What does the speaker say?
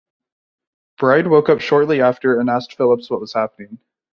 Bride woke up shortly after and asked Phillips what was happening.